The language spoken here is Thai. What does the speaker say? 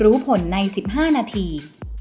รู้ผลใน๑๕นาที